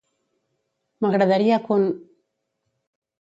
M'agradaria con